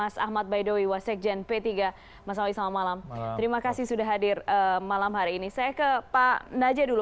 saya ke pak naja dulu